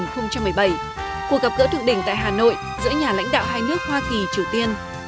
cuộc gặp gỡ thượng đỉnh tại hà nội giữa nhà lãnh đạo hai nước hoa kỳ triều tiên